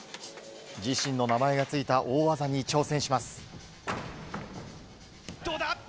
自身の名前が付いた大技に挑戦します。